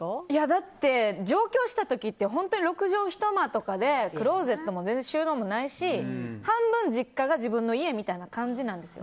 だって、上京した時って六畳一間とかでクローゼットも全然、収納とかもないし半分実家が自分の家みたいな感じなんです。